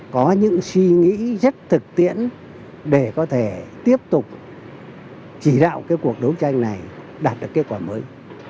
có những suy nghĩ rất thực tiễn để có thể tiếp tục chỉ đạo cái cuộc đấu tranh này đạt được kết quả mới